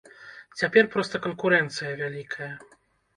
Цяпер проста канкурэнцыя вялікая.